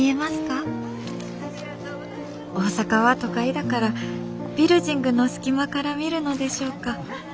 大阪は都会だからビルヂングの隙間から見るのでしょうか」。